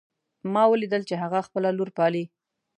ما ولیدل چې هغه خپله لور پالي